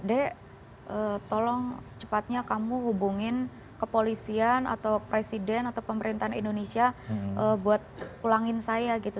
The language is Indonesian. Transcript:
dek tolong secepatnya kamu hubungin kepolisian atau presiden atau pemerintahan indonesia buat pulangin saya gitu